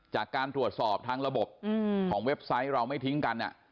จากการตรวจสอบทางระบบของเว็บไซต์เราไม่ทิ้งกัน